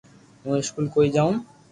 ھون اسڪول ڪوئي جاو